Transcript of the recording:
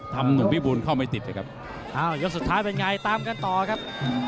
หนุ่มพิบูลเข้าไม่ติดเลยครับอ้าวยกสุดท้ายเป็นไงตามกันต่อครับ